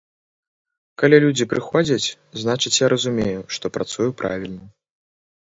Калі людзі прыходзяць, значыць я разумею, што працую правільна.